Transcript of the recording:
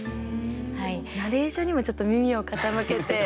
ナレーションにもちょっと耳を傾けて。